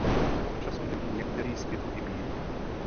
Občas může být některý z květů i bílý.